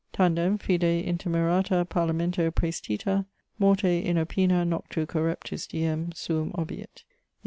Tandem, fide intemerata Parlamento praestita, morte inopina noctu correptus, diem suum obiit Id.